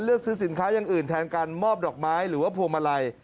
เลือกซื้อสินค้าอย่างอื่นแทนการมอบดอกไม้หรือว่าพวงมาลัย